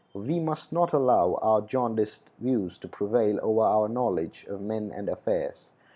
We must not allow our jaundiced views to prevail over our knowledge of men and affairs.